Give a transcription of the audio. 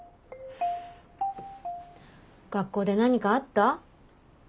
学校で何かあった？